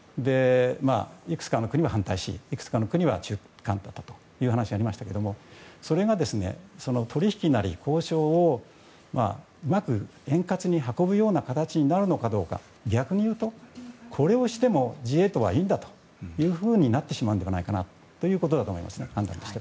いくつかの国は反対しいくつかの国は中間だという話がありましたけどもそれが取引なり交渉をうまく円滑に運ぶような形になるのかどうか逆にいうと、これをしてもＧ８はいいんだというふうになってしまうのではないかなと思いますね。